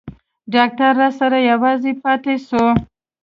ډاکتر راسره يوازې پاته سو.